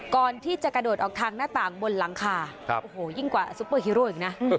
ก่อนที่จะกระโดดออกทางหน้าต่างบนหลังคาโอ้โหยิ่งกว่าซุปเปอร์ฮีโร่อีกนะ